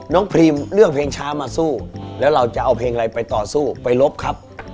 พรีมเลือกเพลงช้ามาสู้แล้วเราจะเอาเพลงอะไรไปต่อสู้ไปลบครับ